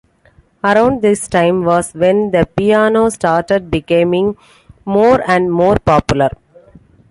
Around this time was when the piano started becoming more and more popular.